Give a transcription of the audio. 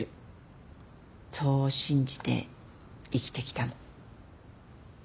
そう信じて生きてきたの。